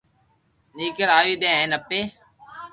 ني کراوي دي ھين اپي